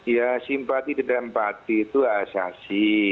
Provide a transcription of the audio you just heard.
ya simpati dan empati itu asasi